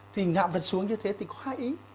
thì dạo vật xuống như thế thì có hai ý